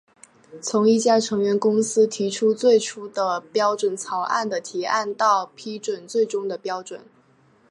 从一家成员公司提出最初的标准草案的提案到批准最终的标准。